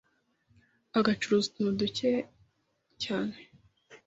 ugacuruza utuntu dukeya cyane